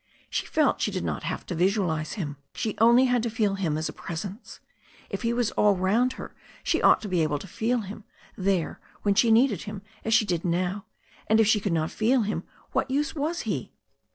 She felt she did not have to visualize Him, she only had to feel Him as a presence. If He was all round her she ought to be able to feel Him there when she needed Him as she did now, and if she could not feel Him what use was He?